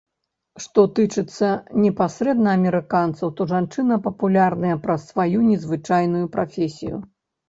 Што тычыцца непасрэдна амерыканцаў, то жанчына папулярная праз сваю незвычайную прафесію.